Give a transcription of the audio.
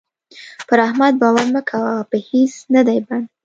پر احمد باور مه کوه؛ په هيڅ نه دی بند.